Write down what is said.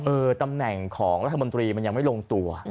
ตำแหน่งของรัฐมนตรีมันยังไม่ลงตัว